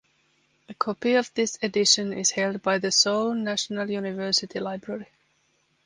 A copy of this edition is held by the Seoul National University Library.